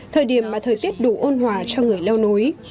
thời điểm mà thời tiết đủ ôn hòa cho người leo núi